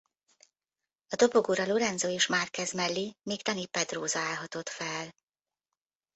A dobogóra Lorenzo és Márquez mellé még Dani Pedrosa állhatott fel.